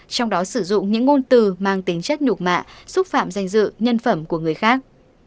trong đó sử dụng những ngôn từ mang tính chất nục mạ xúc phạm danh dự nhân phẩm của người khác